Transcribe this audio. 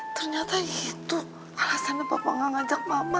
ternyata itu alasan apa enggak ngajak mama